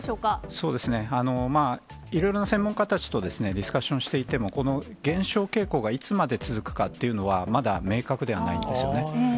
そうですね、まあ、いろいろな専門家たちとディスカッションしていても、この減少傾向がいつまで続くかっていうのは、まだ明確ではないんですよね。